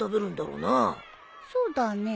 そうだね。